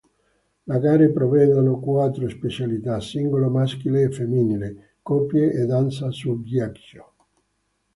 Le gare prevedono quattro specialità: singolo maschile e femminile, coppie e danza su ghiaccio.